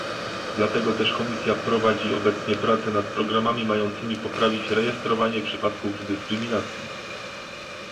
Dlatego też Komisja prowadzi obecnie prace nad programami mającymi poprawić rejestrowanie przypadków dyskryminacji